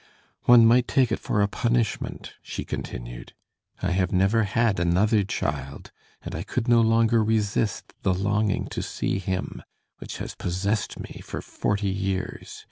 "One might take it for a punishment," she continued; "I have never had another child, and I could no longer resist the longing to see him, which has possessed me for forty years.